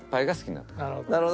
なるほど。